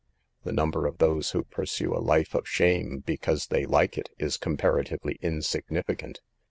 The number of those who pursue a life of shame because they like it, is comparatively insignificant.